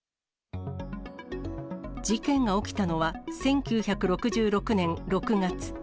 事件が起きたのは１９６６年６月。